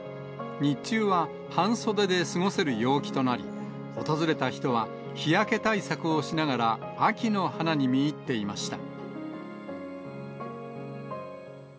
日中は半袖で過ごせる陽気となり、訪れた人は日焼け対策をしながら、秋の花に見入っていました。